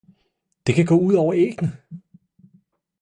det kan gaae ud over Æggene!